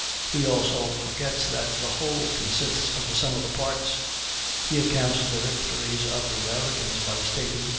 He also forgets that the whole consists of the sum of the parts. He accounts for the victories of the Americans by stating (p.